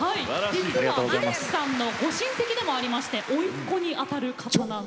実は秀樹さんのご親戚でもありましておいっ子にあたる方なんです。